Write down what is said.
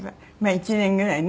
１年ぐらいね